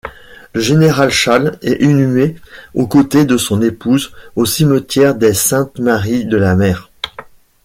Le général Challe est inhumé aux côtés de son épouse au cimetière des Saintes-Maries-de-la-Mer.